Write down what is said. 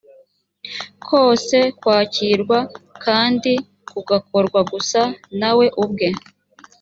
kose kwakirwa kandi kugakorwa gusa nawe ubwe